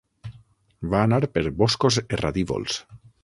Va anar per boscos erradívols.